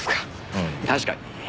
うん確かに。